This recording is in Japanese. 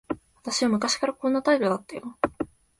私は昔からこんな態度だったよ。